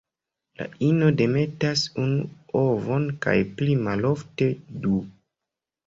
La ino demetas unu ovon kaj pli malofte du.